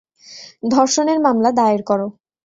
ধর্ষণের মামলা দায়ের কর।